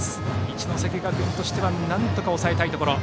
一関学院としてはなんとか抑えたいところ。